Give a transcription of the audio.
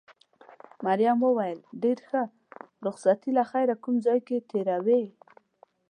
مريم وویل: ډېر ښه، رخصتي له خیره کوم ځای کې تېروې؟